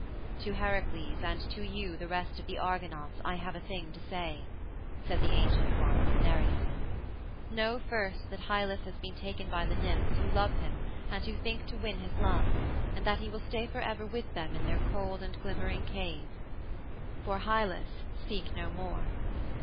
"To Heracles, and to you, the rest of the Argonauts, I have a thing to say," said the ancient one, Nereus. "Know, first, that Hylas has been taken by the nymphs who love him and who think to win his love, and that he will stay forever with them in their cold and glimmering cave. For Hylas seek no more.